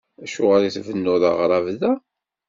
Acuɣer i tbennuḍ aɣrab da?